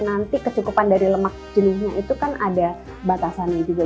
nanti kecukupan dari lemak jenuhnya itu kan ada batasannya juga